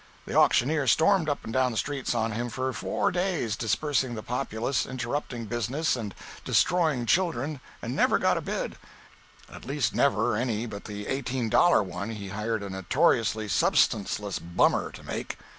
The auctioneer stormed up and down the streets on him for four days, dispersing the populace, interrupting business, and destroying children, and never got a bid—at least never any but the eighteen dollar one he hired a notoriously substanceless bummer to make.